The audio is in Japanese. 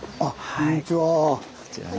こんにちは。